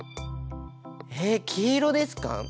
えっ黄色ですか？